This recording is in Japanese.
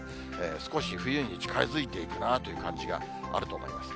少し冬に近づいていくなという感じがあると思います。